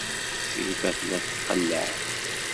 Crifa tella tqelleɛ.